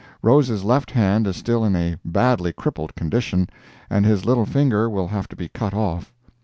Rose's left hand is still in a badly crippled condition, and his little finger will have to be cut off.